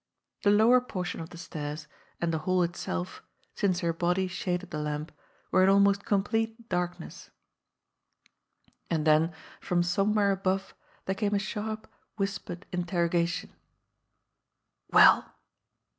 The lower portion of the stairs and the hall itself, since her body shaded the lamp, were in almost complete darkness. And then from somewhere above there came a sharp, whispered interrogation : "Well?"